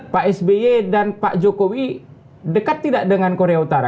pak sby dan pak jokowi dekat tidak dengan korea utara